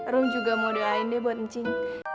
rum juga mau doain deh buat cing